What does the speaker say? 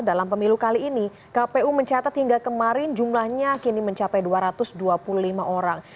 dalam pemilu kali ini kpu mencatat hingga kemarin jumlahnya kini mencapai dua ratus dua puluh lima orang